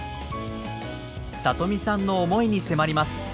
里見さんの思いに迫ります。